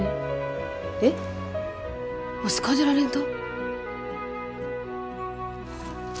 えっオスカー・デ・ラ・レンタ？